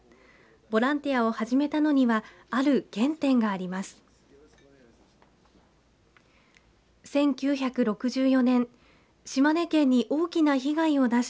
ボランティアを始めたのにはある原点があります。